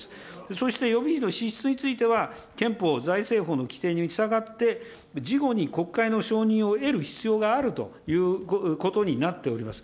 そして予備費の支出については、憲法財政法の規定に従って、事後に国会の承認を得る必要があるということになっております。